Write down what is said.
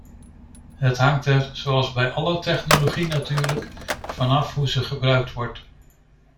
Het hangt er, zoals bij alle technologieën natuurlijk, vanaf hoe ze gebruikt wordt.